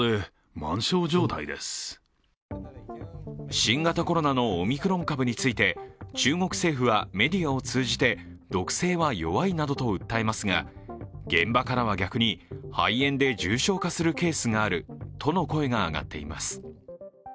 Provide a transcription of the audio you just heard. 新型コロナのオミクロン株について中国政府はメディアを通じて毒性は弱いなどと訴えますが現場からは逆に、肺炎で重症化するケースがあるとの声が上がっています。